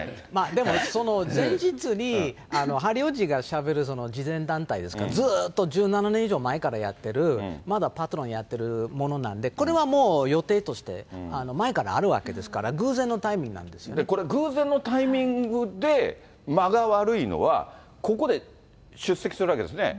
でも、その前日に、ハリー王子がしゃべる慈善団体ですか、ずっと１７年以上前からやってる、まだパトロンやってるものなんで、これはもう予定として前からあるわけですから、これ、偶然のタイミングで間が悪いのは、ここで出席するわけですね。